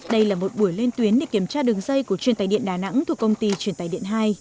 đây là một buổi lên tuyến để kiểm tra đường dây của truyền tài điện đà nẵng thuộc công ty truyền tài điện hai